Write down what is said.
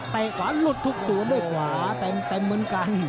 ขวาหลุดทุกศูนย์ด้วยขวาเต็มเหมือนกัน